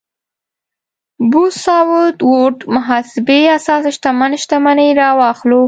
بوث ساوت ووډ محاسبې اساس شتمن شتمني راواخلو.